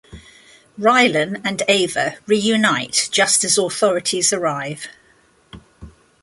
Raylan and Ava reunite just as authorities arrive.